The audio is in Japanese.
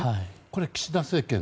これ、岸田政権